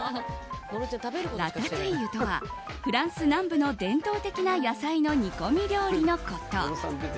ラタトゥイユとはフランス南部の伝統的な野菜の煮込み料理のこと。